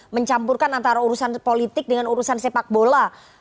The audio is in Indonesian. mencampurkan antara urusan politik dengan urusan sepak bola